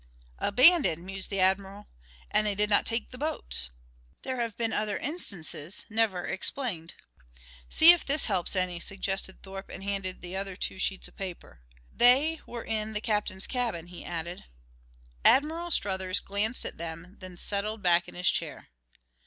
"Abandoned," mused the Admiral, "and they did not take to the boats. There have been other instances never explained." "See if this helps any," suggested Thorpe and handed the other two sheets of paper. "They were in the captain's cabin," he added. Admiral Struthers glanced at them, then settled back in his chair.